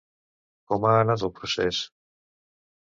Com ha anat el procés?